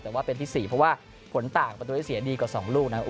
แต่ว่าเป็นที่๔เพราะว่าผลต่างประตูได้เสียดีกว่า๒ลูกนะครับ